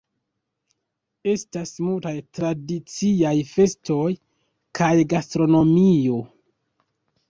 Estas multaj tradiciaj festoj kaj gastronomio.